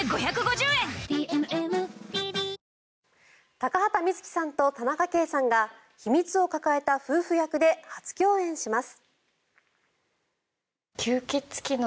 高畑充希さんと田中圭さんが秘密を抱えた夫婦役で初共演します。